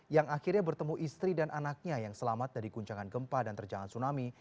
yang akhirnya bertemu istri dan anaknya yang selamat dari guncangan gempa dan terjangan tsunami